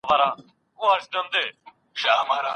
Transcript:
موږ هره ورځ ډېري مڼې نه راوړو.